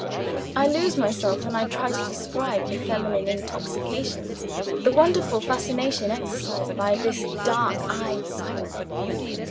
I lose myself when I try to describe the feminine intoxications, the wonderful fascination exercised by this dark eyed siren.